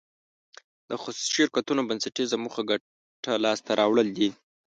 د خصوصي شرکتونو بنسټیزه موخه ګټه لاس ته راوړل دي.